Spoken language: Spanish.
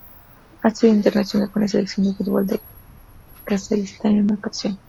Ha sido internacional con la Selección de fútbol de Kazajistán en una ocasión.